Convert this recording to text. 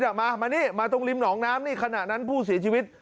ผู้เสียชีวิตมาตรงริมหนองน้ำนี่ขณะนั้นผู้เสียชีวิต